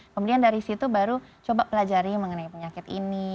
kemudian dari situ baru coba pelajari mengenai penyakit ini